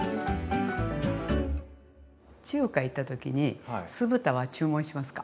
中華行った時に酢豚は注文しますか？